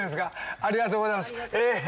ありがとうございます。